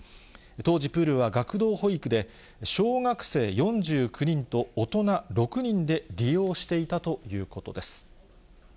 当時、プールは学童保育で、小学生４９人と、大人６人で利用していたということです。